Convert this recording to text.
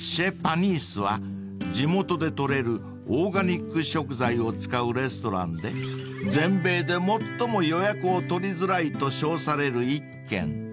［ＣｈｅｚＰａｎｉｓｓｅは地元で採れるオーガニック食材を使うレストランで全米で最も予約を取りづらいと称される１軒］